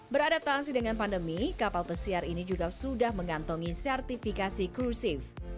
beradaptasi dengan pandemi kapal pesiar ini juga sudah mengantongi sertifikasi krusif